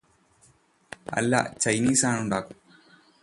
അല്ലാ ചൈനീസാണ് ഉണ്ടാക്കുന്നത്